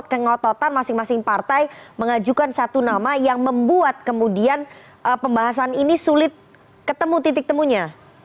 kengototan masing masing partai mengajukan satu nama yang membuat kemudian pembahasan ini sulit ketemu titik temunya